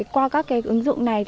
qua các ứng dụng